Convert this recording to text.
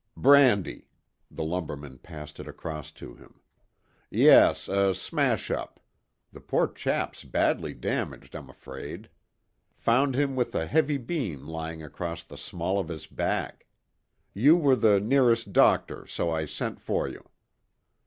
"Brandy." The lumberman passed it across to him. "Yes, a smash up. This poor chap's badly damaged, I'm afraid. Found him with a heavy beam lying across the small of his back. You were the nearest doctor, so I sent for you.